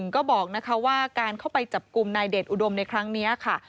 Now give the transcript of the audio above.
ก็บอกว่าการเข้าไปจับกลุ่มนายเดชอุดมในครั้งนี้ค่ะ